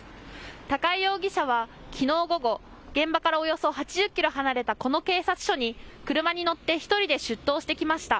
高井容疑者はきのう午後、現場からおよそ８０キロ離れたこの警察署に車に乗って１人で出頭してきました。